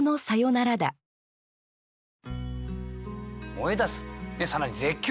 「燃え出す」更に「絶叫」。